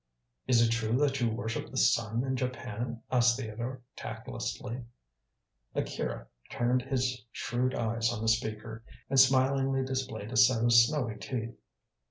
"Is it true that you worship the sun in Japan?" asked Theodore tactlessly. Akira turned his shrewd eyes on the speaker, and smilingly displayed a set of snowy teeth.